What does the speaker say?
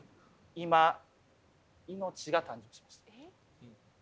今命が誕生しました。